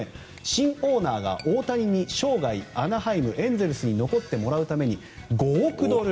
新オーナーが大谷に生涯、アナハイムエンゼルスに残ってもらうために５億ドル